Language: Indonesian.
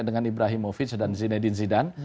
dengan ibrahimovic dan zinedine zidane